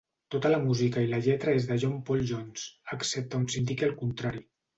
Tota la música i la lletra és de John Paul Jones, excepte on s'indiqui el contrari.